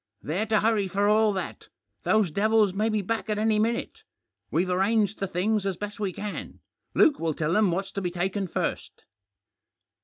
They're to hurry for all that ; those devils may be back at any minute. We've arranged the things as best we can ; Luke will tell them what's to be taken first."